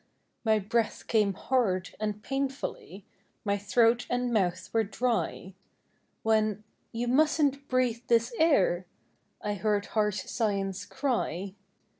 My breath came hard and painfully, My throat and mouth were dry, When, " You mustn't breathe this air, ,r I heard harsh Science cry.